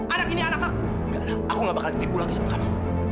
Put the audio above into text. anak ini anak aku enggak lah aku gak bakal tipu lagi sama kamu